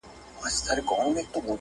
o بې ډوله ډنگېدلی، بې سرنا رخسېدلی.